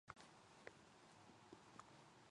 ロット＝エ＝ガロンヌ県の県都はアジャンである